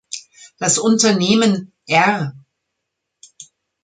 Das Unternehmen „R.